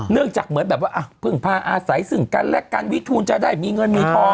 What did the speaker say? จากเหมือนแบบว่าพึ่งพาอาศัยซึ่งกันและกันวิทูลจะได้มีเงินมีทอง